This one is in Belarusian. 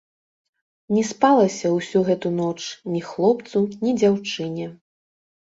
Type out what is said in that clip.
Не спалася ўсю гэту ноч ні хлопцу, ні дзяўчыне.